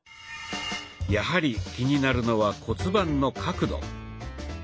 やはり気になるのは骨盤の角度。